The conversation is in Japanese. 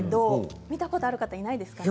見たことある方いないですか？